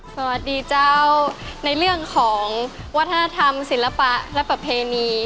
สวัสดีเจ้าในเรื่องของวัฒนธรรมศิลปะและประเพณี